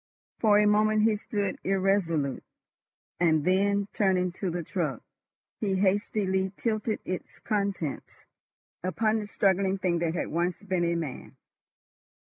For a moment he stood irresolute, and then, turning to the truck, he hastily tilted its contents upon the struggling thing that had once been a man.